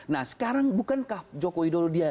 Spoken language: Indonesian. nah sekarang bukankah joko widodo dia